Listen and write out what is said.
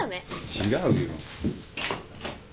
違うよ。